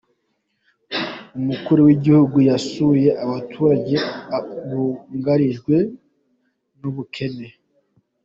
Umukuru w'igihugu yasuye abaturage bugarijwe n'ubukene.